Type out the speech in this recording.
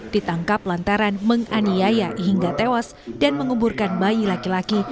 ditangkap lantaran menganiaya hingga tewas dan menguburkan bayi laki laki